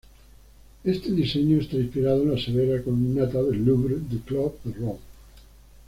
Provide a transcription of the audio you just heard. Este diseño está inspirado en la severa Columnata del Louvre de Claude Perrault.